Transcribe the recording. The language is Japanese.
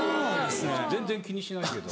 全然気にしないけど。